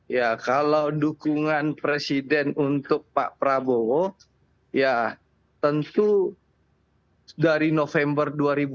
ya kalau dukungan presiden untuk pak prabowo ya tentu dari november dua ribu dua puluh